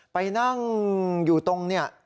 ไปนั่งอยู่ตรงเนี่ย